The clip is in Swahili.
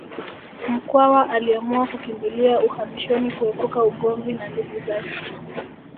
Mkwawa aliamua kukimbilia uhamishoni kuepuka ugomvi na ndugu zake